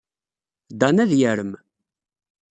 Dan ad yarem.